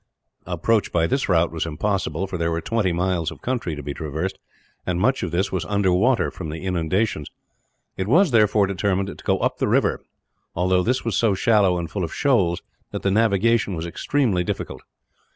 Approach by this route was impossible, for there were twenty miles of country to be traversed; and much of this was under water from the inundations. It was, therefore, determined to go up the river, although this was so shallow and full of shoals that the navigation was extremely difficult.